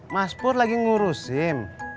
mas pur lagi ngurusin